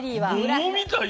桃みたい